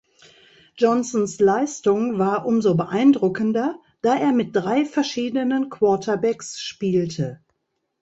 Johnsons Leistung war umso beeindruckender, da er mit drei verschiedenen Quarterbacks spielte.